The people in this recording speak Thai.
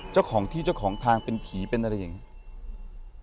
เจ้าของที่เจ้าของทางเป็นผีเป็นอะไรอย่างนี้